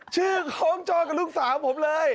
ชื่อคล้องจองกับลูกสาวของผมเลย